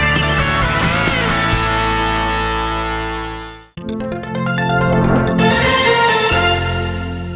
โปรดติดตามตอนต่อไป